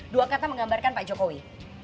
dua kata menggambarkan pak jokowi